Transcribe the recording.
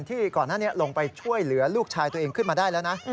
ที่ก่อนหน้านี้ลงไปช่วยเหลือลูกชายตัวเองขึ้นมาได้แล้วนะ